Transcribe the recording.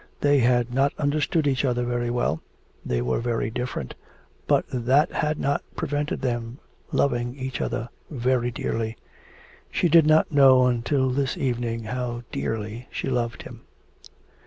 They had not understood each other very well; they were very different, but that had not prevented them loving each other very dearly. She did not know until this evening how dearly she loved him.